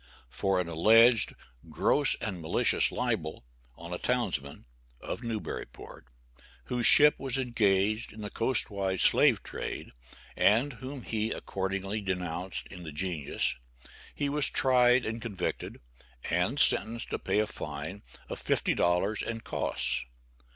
For an alleged "gross and malicious libel" on a townsman (of Newburyport) whose ship was engaged in the coastwise slave trade, and whom he accordingly denounced in the "Genius," he was tried and convicted, and sentenced to pay a fine of $50 and costs.